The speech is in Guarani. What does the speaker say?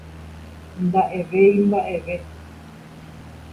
nda'evéimba'eve